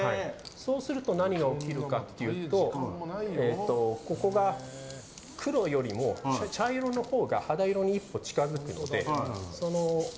そうすると何が起きるかというとここが黒よりも茶色のほうが肌色に一歩近づくので。